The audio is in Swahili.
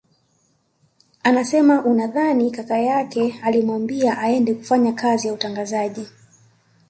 Anasema anadhani kaka yake alimwambia aende kufanya kazi ya utangazaji